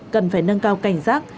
cần phải nâng cao cảnh giác